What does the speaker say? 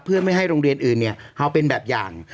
เพื่อไม่ให้โรงเรียนอื่นเอาเป็นแบบอย่าง